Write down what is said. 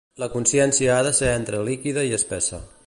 La consistència ha de ser entre líquida i espessa.